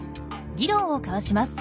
議論を交わします。